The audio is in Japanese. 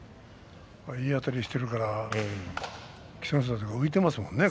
いいあたりしているから稀勢の里が浮いていますよね